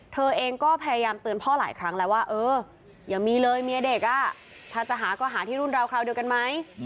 เธอเองก็พยายามเตือนพ่อหลายครั้งแล้วว่าเอออย่ามีเลยเมียเด็กถ้าจะหาก็หาที่รุ่นราวคราวเดียวกันไหม